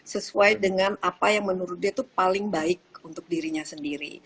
sesuai dengan apa yang menurut dia itu paling baik untuk dirinya sendiri